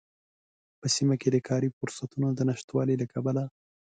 په سيمه کې د کاری فرصوتونو د نشتوالي له کبله